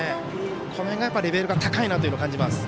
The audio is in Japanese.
この辺がレベルが高いなというのを感じます。